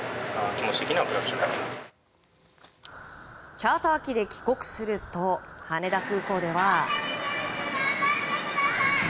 チャーター機で帰国すると羽田空港では。